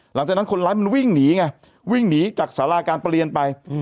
หลังจากนั้นคนร้ายมันวิ่งหนีไงวิ่งหนีจากสาราการเปลี่ยนไป